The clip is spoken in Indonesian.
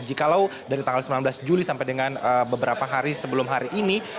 jikalau dari tanggal sembilan belas juli sampai dengan beberapa hari sebelum hari ini